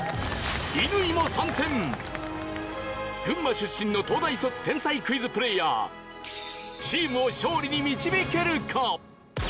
群馬出身の東大卒天才クイズプレーヤーチームを勝利に導けるか？